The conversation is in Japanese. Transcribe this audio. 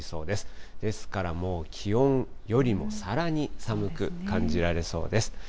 ですからもう、気温よりもさらに寒く感じられそうです。